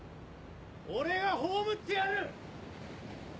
俺が葬ってやる！